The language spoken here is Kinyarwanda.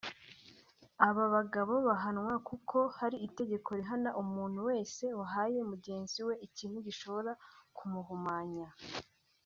aba bagabo bahanwa kuko hari itegeko rihana umuntu wese wahaye mugenzi we ikintu gishobora ku muhumanya